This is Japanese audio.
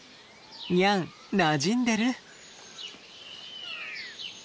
ニャンなじんでる。